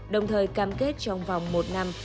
đồng thời cam kết trong vòng một năm